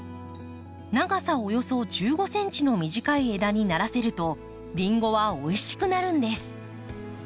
長さおよそ１５ｃｍの短い枝にならせるとリンゴはおいしくなるんです。